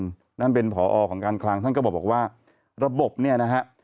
ท่านเป็นผอของการคลางท่านก็บอกว่าระบบนี้นะครับ